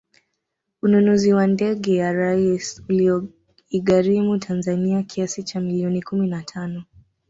Ununuzi wa ndege ya Rais ulioigharimu Tanzania kiasi cha milioni kumi na tano